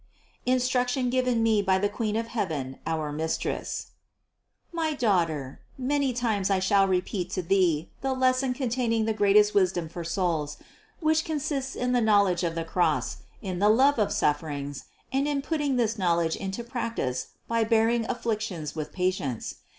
INSTRUCTION GIVEN ME BY THE QUEEN OF HEAVEN, OUR MISTRESS. 739. My daughter, many times I shall repeat to thee the lesson containing the greatest wisdom for souls, which consists in the knowledge of the cross, in the love of sufferings, and in putting this knowledge into practice by bearing afflictions with patience.